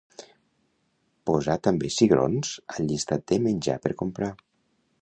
Posar també cigrons al llistat de menjar per comprar.